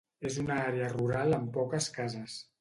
És una àrea rural amb poques cases.